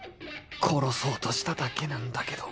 殺そうとしただけなんだけど